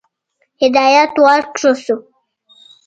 هدایت ورکړه شو.